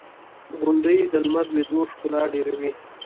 • غونډۍ د لمر لوېدو ښکلا ډېروي.